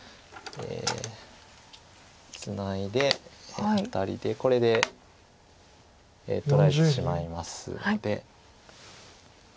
ツナいでアタリでこれで取られてしまいますので。